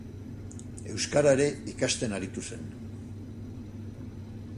Euskara ere ikasten aritu zen.